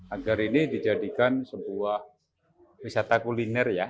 agar ini dijadikan sebuah wisata kuliner ya